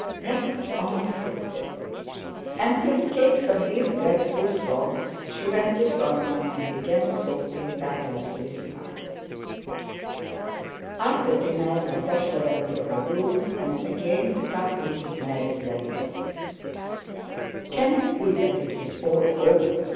That's awful..." and to escape from these dreadful thoughts she went to Sónya and began sorting patterns with her. After dinner Natásha went to her room and again took up Princess Mary's letter. "Can it be that it is all over?"